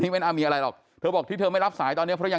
นี้ไม่ทำภัยหรอกถ้าบอกที่เธอไม่รับสายตอนนี้เพราะที่